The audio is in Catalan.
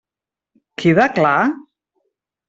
Queda clar?